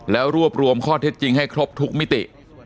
แล้วรวบรวมข้อเท็จจริงให้ครบทุกมิติ